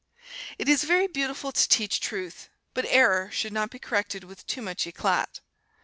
It is very beautiful to teach Truth, but error should not be corrected with too much eclat.